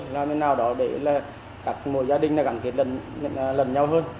làm thế nào đó để là các mỗi gia đình gắn kết lần nhau hơn